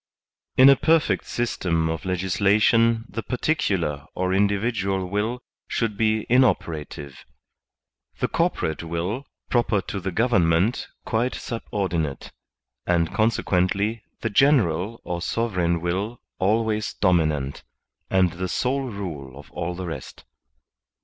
In a perfect system of legislation the particular or in dividual will should be inoperative; the corporate will I)roper to the goverment quite subordinate; and conse quently the general or sovereign will always dominant, and the sole rule of all the rest.